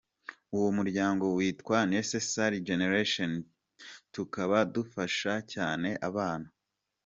Uwo muryango witwa Necessary Generation, tukaba dufasha cyane abana.